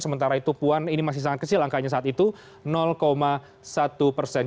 sementara itu puan ini masih sangat kecil angkanya saat itu satu persen